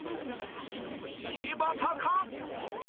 柴田か？